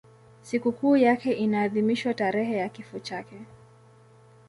Sikukuu yake inaadhimishwa tarehe ya kifo chake.